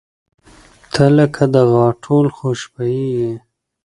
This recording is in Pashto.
• ته لکه د غاټول خوشبويي یې.